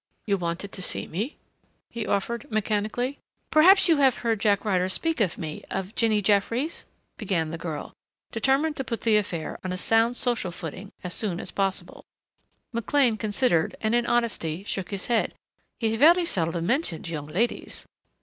"You wanted to see me ?" he offered mechanically. "Perhaps you have heard Jack Ryder speak of me of Jinny Jeffries?" began the girl, determined to put the affair on a sound social footing as soon as possible. McLean considered and, in honesty, shook his head. "He very seldom mentioned young ladies."